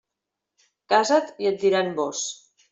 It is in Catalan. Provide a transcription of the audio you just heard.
Casa't, i et diran vós.